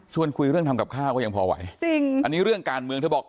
คุยเรื่องทำกับข้าวก็ยังพอไหวจริงอันนี้เรื่องการเมืองเธอบอก